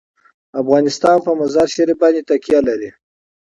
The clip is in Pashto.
افغانستان په مزارشریف باندې تکیه لري.